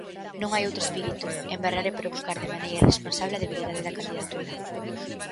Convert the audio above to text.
Non hai outro espírito: embarrar e provocar de maneira irresponsable a debilidade da candidatura.